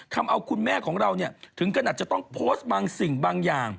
ทำเอาคุณแม่ของเราถึงขนาดจะต้องโพสต์บางสิ่งบางอย่าง